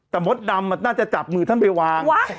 แต่มดดำน่าจะจับมือท่านไปวาง